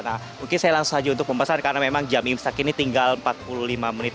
nah mungkin saya langsung saja untuk memesan karena memang jam imsak ini tinggal empat puluh lima menit